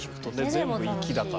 全部「いき」だから。